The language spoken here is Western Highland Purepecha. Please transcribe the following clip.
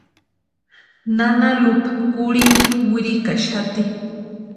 Nana Lupa kurhinta wirikaxati.